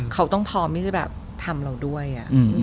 เขาต้องพร้อมที่จะแบบทำเราด้วย